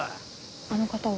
あの方は？